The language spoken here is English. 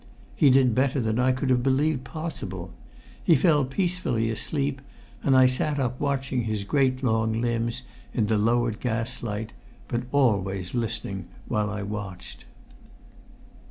He did better than I could have believed possible. He fell peacefully asleep, and I sat up watching his great long limbs in the lowered gas light, but always listening while I watched.